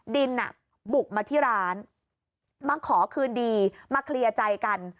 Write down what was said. ดินบุกมาที่ร้านมาขอคืนดีมาเคลียร์ใจกัน